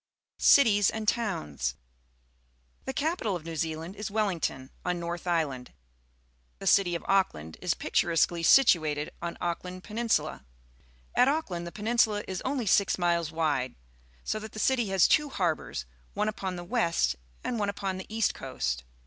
Cities and Towns. — The_ca pital of New Zealand js Wellmaion, on North Island. TRelilty'of Auckland is picturesquely situated on Auckland Peninsula. At Auckland the peninsula is only six miles wade, so that the city has two harbours, one upon the west and one upon the east coast.